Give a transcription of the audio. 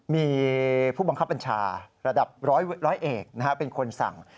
มีผู้บังคับบัญชาระดับร้อยเอกเป็นคนสั่ง